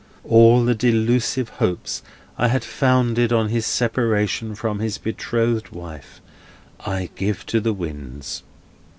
All the delusive hopes I had founded on his separation from his betrothed wife, I give to the winds.